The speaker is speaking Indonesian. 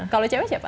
kalau cewek siapa